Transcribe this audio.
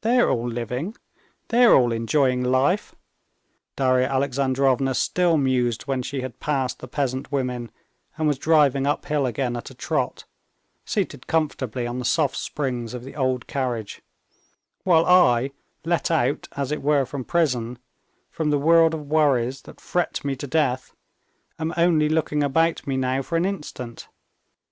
"They're all living, they're all enjoying life," Darya Alexandrovna still mused when she had passed the peasant women and was driving uphill again at a trot, seated comfortably on the soft springs of the old carriage, "while I, let out, as it were from prison, from the world of worries that fret me to death, am only looking about me now for an instant.